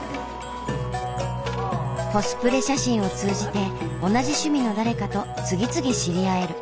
コスプレ写真を通じて同じ趣味の誰かと次々知り合える。